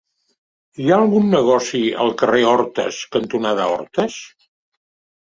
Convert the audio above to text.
Hi ha algun negoci al carrer Hortes cantonada Hortes?